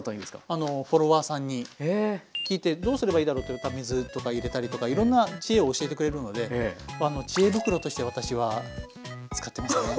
聞いてどうすればいいだろうって水とか入れたりとかいろんな知恵を教えてくれるのでまああの知恵袋として私は使ってますね。